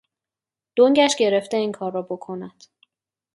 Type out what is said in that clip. دنگش گرفته این کار را بکند.